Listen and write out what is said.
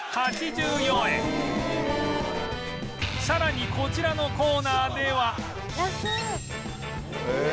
さらにこちらのコーナーでは